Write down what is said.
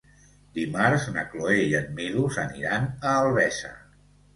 Dimarts na Cloè i en Milos aniran a Albesa.